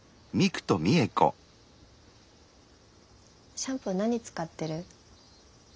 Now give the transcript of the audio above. シャンプー何使ってる？